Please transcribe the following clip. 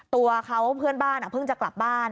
ตัวเขาเพื่อนบ้านเพิ่งจะกลับบ้าน